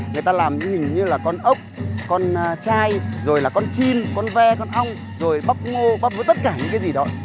người ta làm những hình như là con ốc con chai rồi là con chim con ve con ong rồi bắp ngô bắp với tất cả những cái gì đó